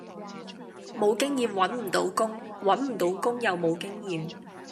無經驗搵唔到工，搵唔到工又無經驗